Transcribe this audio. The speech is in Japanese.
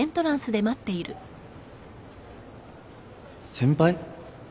先輩？